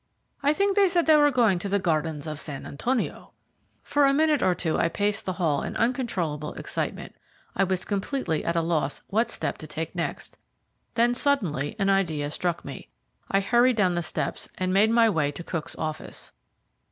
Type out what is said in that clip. I think they said they were going to the gardens of San Antonio." For a minute or two I paced the hall in uncontrollable excitement. I was completely at a loss what step to take next. Then suddenly an idea struck me. I hurried down the steps and made my way to Cook's office.